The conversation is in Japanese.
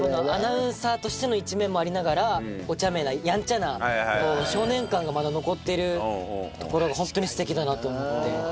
アナウンサーとしての一面もありながらおちゃめなやんちゃな少年感がまだ残ってるところがホントに素敵だなと思って。